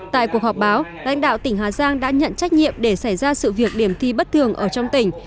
tại cuộc họp báo lãnh đạo tỉnh hà giang đã nhận trách nhiệm để xảy ra sự việc điểm thi bất thường ở trong tỉnh